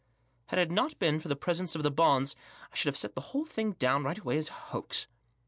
Had it not been for the presence of the bonds I should have set the whole thing down right away as a hoax.